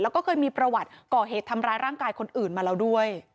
แล้วก็เคยมีประวัติก่อเหตุทำร้ายร่างกายคนอื่นมาแล้วด้วย